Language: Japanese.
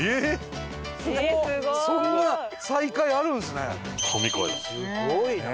すごいな。